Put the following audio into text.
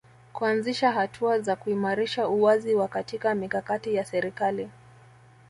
Kuanzisha hatua za kuimarisha uwazi wa katika mikakati ya serikali